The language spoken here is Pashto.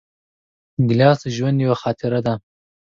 ګیلاس د ژوند یوه خاطره ده.